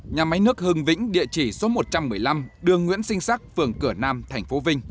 nhà máy nước hưng vĩnh địa chỉ số một trăm một mươi năm đường nguyễn sinh sắc phường cửa nam tp vinh